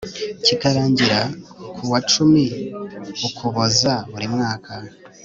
kikarangira kuwa cumi ukuboza buri mwaka